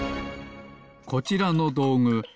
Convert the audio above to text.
こちらのどうぐ